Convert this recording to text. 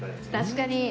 確かに。